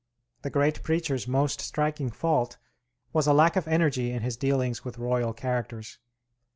The great preacher's most striking fault was a lack of energy in his dealings with royal characters.